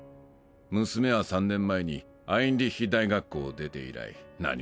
娘は３年前にアインリッヒ大学校を出て以来何もしとらん。